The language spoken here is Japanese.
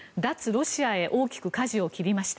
ロシアへ大きくかじを切りました。